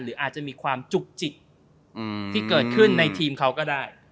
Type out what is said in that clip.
หรืออาจจะมีความจุกจิกที่เกิดขึ้นในทีมเขาก็ได้